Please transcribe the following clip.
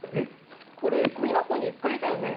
これ、ごみ箱に１回入れたよね？